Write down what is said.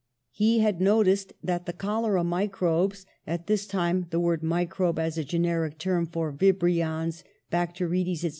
He had noticed that the cholera microbes (at this time the word microbe, as a generic term for vibri ons, bacterides, etc.